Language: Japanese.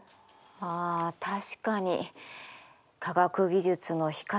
あ確かに科学技術の光と影。